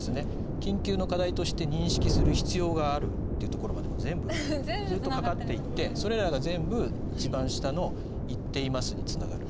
「緊急の課題として認識する必要がある」っていうところまでも全部ずっと係っていってそれらが全部一番下の「言っています」につながる。